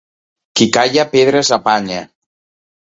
Qui calla pedres apanya.